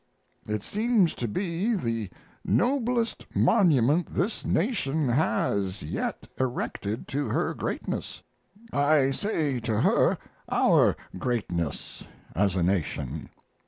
It seems to me the noblest monument this nation has, yet erected to her greatness. I say to her, our greatness as a nation.